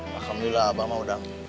alhamdulillah abah mau